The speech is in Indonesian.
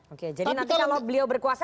oke jadi nanti kalau beliau berkuasa